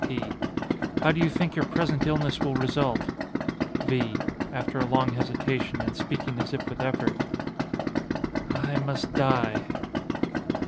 P. How do you think your present illness will result? V. [After a long hesitation and speaking as if with effort.] I must die.